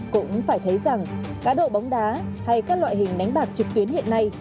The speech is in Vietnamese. cũng phải thấy rằng cá độ bóng đá hay các loại hình đánh bạc trực tuyến hiện nay